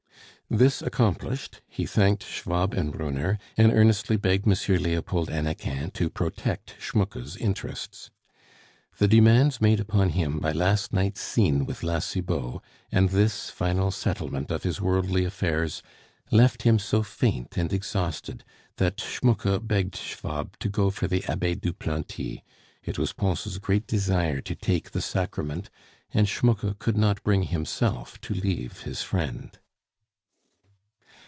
This accomplished, he thanked Schwab and Brunner, and earnestly begged M. Leopold Hannequin to protect Schmucke's interests. The demands made upon him by last night's scene with La Cibot, and this final settlement of his worldly affairs, left him so faint and exhausted that Schmucke begged Schwab to go for the Abbe Duplanty; it was Pons' great desire to take the Sacrament, and Schmucke could not bring himself to leave his friend.